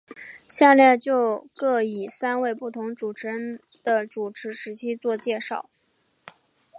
下列就各以三位不同主持人的主持时期做介绍。